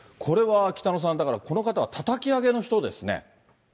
これは北野さん、だからこの方はたたき上げの人ですね。